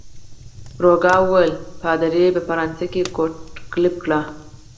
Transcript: روکا وویل: پادري يې په فرانسه کې کوټه قلف کړه.